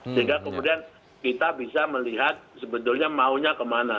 sehingga kemudian kita bisa melihat sebetulnya maunya kemana